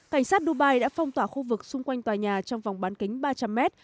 cảnh sát dubai đã phong tỏa khu vực xung quanh tòa nhà trong vòng bán kính ba trăm linh m